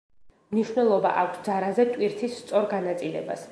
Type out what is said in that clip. მნიშვნელობა აქვს ძარაზე ტვირთის სწორ განაწილებას.